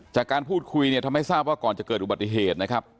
จากการพูดคุยเนี่ยทำให้ทราบว่าก่อนจะเกิดอุบัติเหตุนะครับ